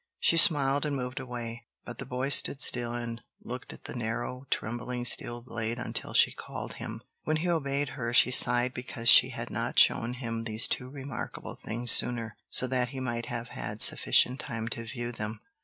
She smiled and moved away; but the boy stood still and looked at the narrow, trembling steel blade until she called him. When he obeyed her, she sighed because she had not shown him these two remarkable things sooner, so that he might have had sufficient time to view them.